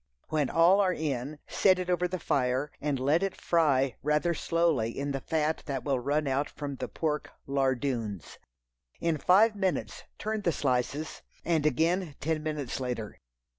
When all are in, set it over the fire, and let it fry rather slowly in the fat that will run out from the pork "lardoons." In five minutes turn the slices, and again ten minutes later.